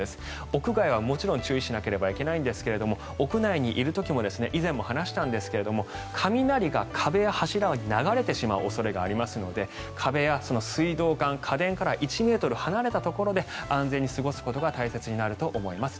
屋外はもちろん注意しないといけないんですが屋内にいる時も以前も話したんですが雷が壁や柱に流れてしまう恐れがありますので壁や水道管、家電からは１ｍ離れたところで安全に過ごすことが必要になります。